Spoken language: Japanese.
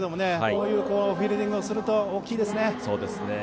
こういうフィールディングは大きいですね。